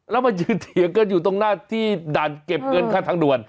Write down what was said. ยังเกิดอยู่ตรงหน้าที่ด่านเก็บเงินค่าทั้งด่วน